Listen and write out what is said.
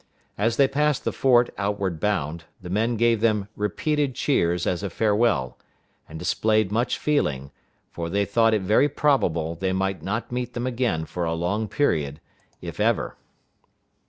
As they passed the fort outward bound, the men gave them repeated cheers as a farewell, and displayed much feeling; for they thought it very probable they might not meet them again for a long period, if ever.